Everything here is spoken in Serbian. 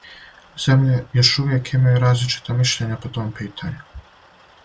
Земље још увијек имају различита мишљења по том питању.